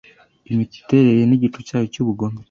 Imiterere nigicucu cyayo cyubugome